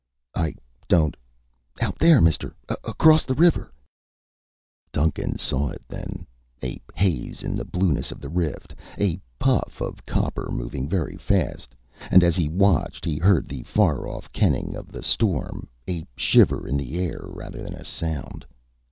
_" "I don't " "Out there, mister. Across the river." Duncan saw it then a haze in the blueness of the rift a puff of copper moving very fast, and as he watched, he heard the far off keening of the storm, a shiver in the air rather than a sound.